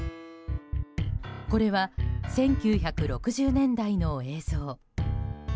これは１９６０年代の映像。